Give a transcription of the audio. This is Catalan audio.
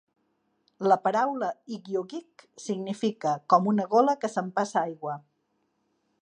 La paraula igiugig significa "com una gola que s'empassa aigua".